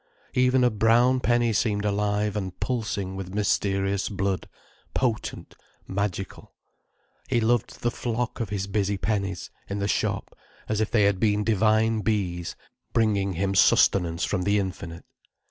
Even a brown penny seemed alive and pulsing with mysterious blood, potent, magical. He loved the flock of his busy pennies, in the shop, as if they had been divine bees bringing him sustenance from the infinite.